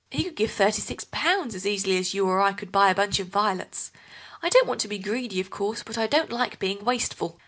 He could give thirty six pounds as easily as you or I could buy a bunch of violets. I don't want to be greedy, of course, but I don't like being wasteful."